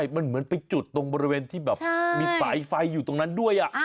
มันเหมือนไปจุดตรงบริเวณที่แบบมีสายไฟอยู่ตรงนั้นด้วย